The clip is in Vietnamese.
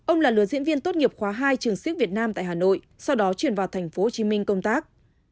ông là lứa diễn viên tốt nghiệp khóa hai trường siếc việt nam tại hà nội sau đó chuyển vào tp hcm công tác